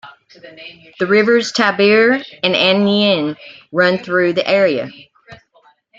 The rivers Tiber and Aniene run through the area.